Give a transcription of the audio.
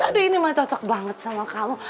aduh ini mah cocok banget sama kamu